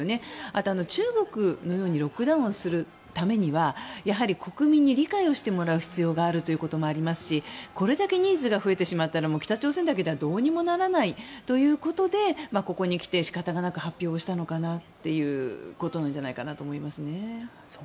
あと、中国のようにロックダウンをするためにはやはり国民に理解をしてもらう必要があると思いますしこれだけ人数が増えてしまったら北朝鮮だけではどうにもならないということでここに来て、仕方がなく発表したのかなということなんじゃないかなと思いますね。